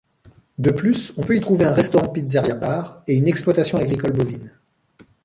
De plus, on peut y trouver un restaurant-pizzeria-bar, et une exploitation agricole ovine.